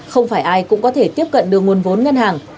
không phải ai cũng có thể tiếp cận được nguồn vốn ngân hàng